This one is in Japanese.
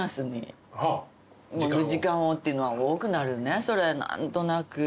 時間をっていうのは多くなるね何となく。